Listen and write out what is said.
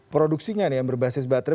produksinya nih yang berbasis baterai